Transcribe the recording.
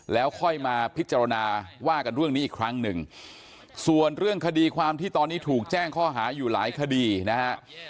แล้วค่อยมาพิจารณาว่ากันเรื่องนี้อีกครั้งหนึ่งส่วนเรื่องคดีความที่ตอนนี้ถูกแจ้งข้อหาอยู่หลายคดีนะฮะ